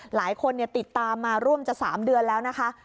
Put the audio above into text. หลายคนติดตามมาร่วมจะ๓เดือนแล้วนะคะ